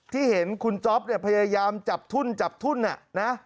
ที่เห็นคุณจ๊อปเนี่ยพยายามจับทุ่นจับทุ่นนะ